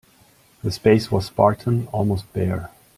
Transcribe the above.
The space was spartan, almost bare.